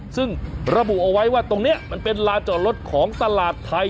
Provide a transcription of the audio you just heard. ซึ่งระบุเอาไว้ว่าตรงนี้มันเป็นลานจอดรถของตลาดไทย